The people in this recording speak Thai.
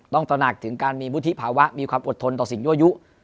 ตระหนักถึงการมีวุฒิภาวะมีความอดทนต่อสิ่งยั่วยุ